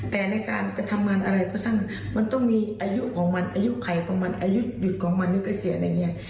แต่ในการจะทำงานอะไรก็ช่างมันต้องมีอายุของมันอายุไขของมันอายุหยุดของมันหรือเกษียณอะไรอย่างนี้